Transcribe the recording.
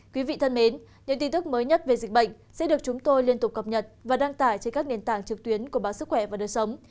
quý vị thân mến những tin tức mới nhất về dịch bệnh sẽ được chúng tôi liên tục cập nhật và đăng tải trên các nền tảng trực tuyến của báo sức khỏe và đời sống